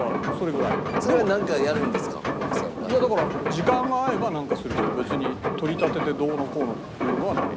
時間が合えばなんかするけど別に取り立ててどうのこうのっていうのはない。